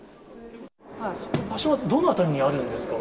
場所はどの辺りにあるんですか。